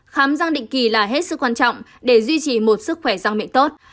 khám giang định kỳ là hết sức quan trọng để duy trì một sức khỏe răng miệng tốt